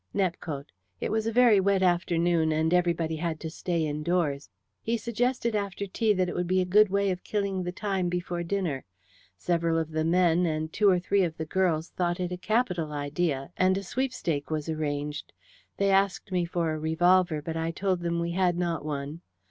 "Nepcote. It was a very wet afternoon, and everybody had to stay indoors. He suggested after tea that it would be a good way of killing the time before dinner. Several of the men and two or three of the girls thought it a capital idea, and a sweepstake was arranged. They asked me for a revolver, but I told them we had not one.